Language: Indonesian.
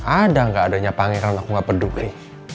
ada gak adanya pangeran aku gak peduli